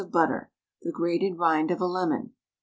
of butter, the grated rind of a lemon.